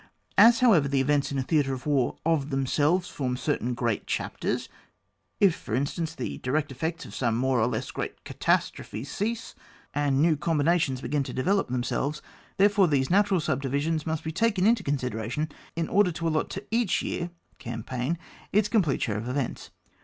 As, however, the events in a Theatre of War of themselves form certain g^eat chapters — if, for instance, the direct effects of some more or less great catastrophe cease, and new com CHAP, ni.] THEATRE OF IFAB, ARMY, CAMPAIGN. 3 binations begin to develop themselves — therefore these natural subdivisions must be taken into consideration in order to allot to each year( Campaign) its complete share of events.